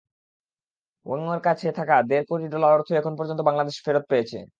ওয়ংয়ের কাছে থাকা দেড় কোটি ডলার অর্থই এখন পর্যন্ত বাংলাদেশ ফেরত পেয়েছে।